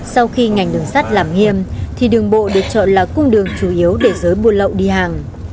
sau khi ngành đường sắt làm nghiêm thì đường bộ được chọn là cung đường chủ yếu để giới buôn lậu đi hàng